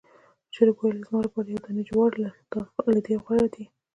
چرګ وویل چې زما لپاره یو دانې جوار له دې غوره دی.